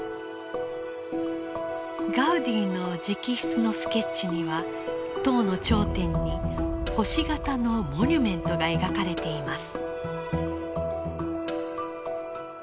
ガウディの直筆のスケッチには塔の頂点に星形のモニュメントが描かれています。